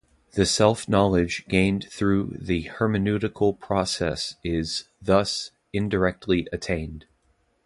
The self-knowledge gained through the hermeneutical process is, thus, indirectly attained.